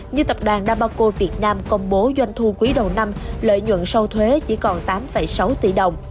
như tập đoàn dabaco việt nam công bố doanh thu quý đầu năm lợi nhuận sau thuế chỉ còn tám sáu tỷ đồng